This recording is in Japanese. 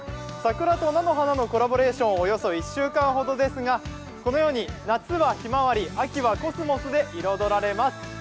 桜と菜の花のコラボレーション、およそ１週間ほどですが、このように夏はひまわり、秋はコスモスで彩られます。